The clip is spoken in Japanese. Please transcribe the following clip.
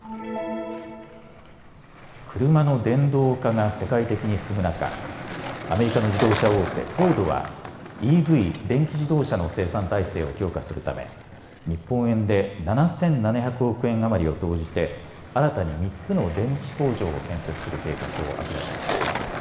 車の電動化が世界的に進む中、アメリカの自動車大手、フォードはＥＶ・電気自動車の生産体制を強化するため日本円で７７００億円余りを投じて新たに３つの電池工場を建設する計画を明らかにしました。